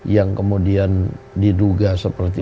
yang kemudian diduga seperti